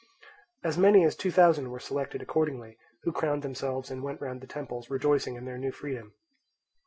As many as two thousand were selected accordingly, who crowned themselves and went round the temples, rejoicing in their new freedom.